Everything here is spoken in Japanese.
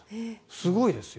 すごいですよ。